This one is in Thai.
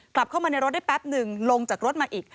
กลับเข้ามาในรถได้แป๊บหนึ่งลงจากรถมาอีก